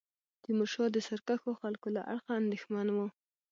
تیمورشاه د سرکښو خلکو له اړخه اندېښمن وو.